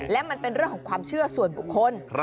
และมันเป็นเรื่องของความเชื่อส่วนบุคคล